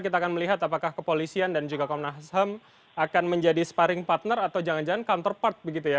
kita akan melihat apakah kepolisian dan juga komnas ham akan menjadi sparring partner atau jangan jangan counterpart begitu ya